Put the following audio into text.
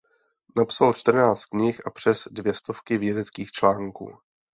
Napsal čtrnáct knih a přes dvě stovky vědeckých článků.